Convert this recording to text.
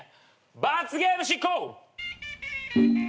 罰ゲーム執行！